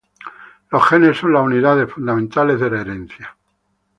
Los genes son las unidades fundamentales de la herencia.